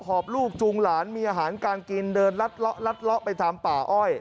อบลูกจูงหลานมีอาหารการกินเดินลัดเลาะลัดเลาะไปทำป่าอ้อย